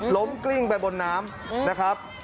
กลิ้งไปบนน้ำนะครับ